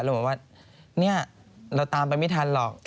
เราตามไปไม่ทันหรอก